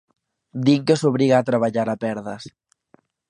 Din que os obriga a traballar a perdas.